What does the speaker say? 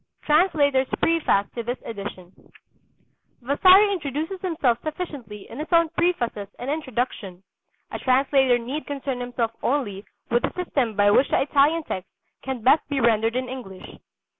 TRANSLATOR'S PREFACE TO THIS EDITION Vasari introduces himself sufficiently in his own prefaces and introduction; a translator need concern himself only with the system by which the Italian text can best be rendered in English.